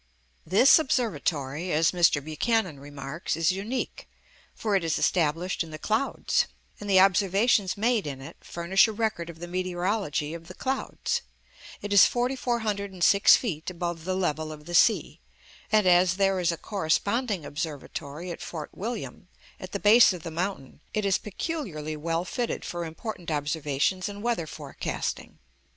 This Observatory, as Mr. Buchanan remarks, is unique, for it is established in the clouds; and the observations made in it furnish a record of the meteorology of the clouds. It is 4406 feet above the level of the sea; and as there is a corresponding Observatory at Fort William, at the base of the mountain, it is peculiarly well fitted for important observations and weather forecasting.